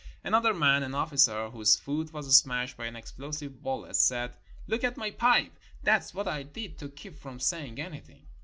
Another man, an officer, whose foot was smashed by an explosive bullet, said, "Look at my pipe. That's what I did to keep from saying anything."